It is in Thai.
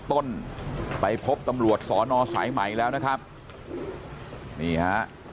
ต้นไปพบตำรวจสอนอสายใหม่แล้วนะครับนี่ฮะ